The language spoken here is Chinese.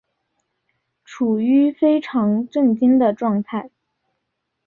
处於非常震惊的状态